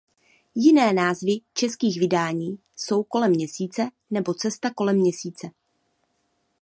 Jiné názvy českých vydání jsou "Kolem měsíce" nebo "Cesta kolem Měsíce".